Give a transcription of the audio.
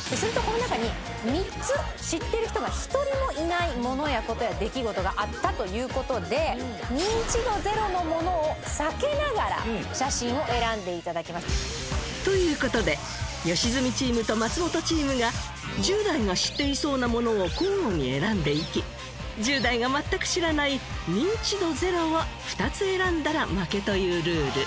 するとこの中に３つ知ってる人が１人もいないものや事や出来事があったという事でニンチドゼロのものを避けながら写真を選んで頂きます。という事で良純チームと松本チームが１０代が知っていそうなものを交互に選んでいき１０代が全く知らないニンチドゼロを２つ選んだら負けというルール。